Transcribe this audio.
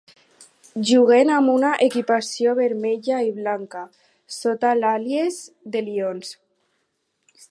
Juguen amb una equipació vermella i blanca, sota l"àlies "The Lions".